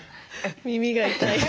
耳が痛い。